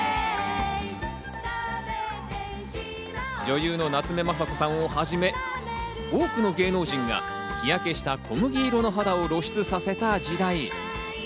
女優の夏目雅子さんをはじめ、多くの芸能人が日焼けした小麦色の肌を露出させた時代。